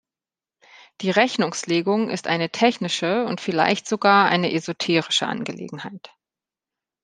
Die Rechnungslegung ist eine technische und vielleicht sogar eine esoterische Angelegenheit.